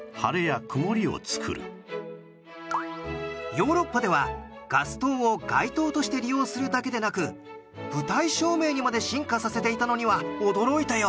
ヨーロッパではガス灯を街灯として利用するだけでなく舞台照明にまで進化させていたのには驚いたよ。